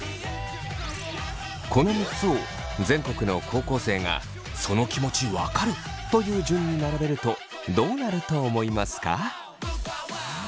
この３つを全国の高校生が「その気持ち分かる！」という順に並べるとどうなると思いますか？